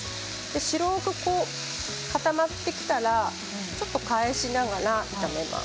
白く固まってきたらちょっと返しながら炒めます。